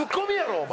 お前。